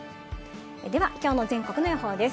では、きょうの全国の予報です。